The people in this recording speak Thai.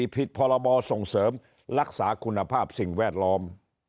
ผิดพรบส่งเสริมรักษาคุณภาพสิ่งแวดล้อม